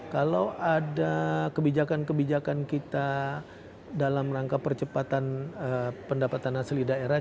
kalau ada kebijakan kebijakan kita dalam rangka percepatan pendapatan asli daerah